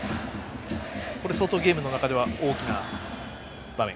これ、相当ゲームの中では大きな場面。